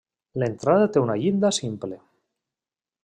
L'entrada té una llinda simple.